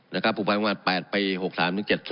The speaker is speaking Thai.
และการปรุงประมาณ๘ไป๖๓ถึง๗๐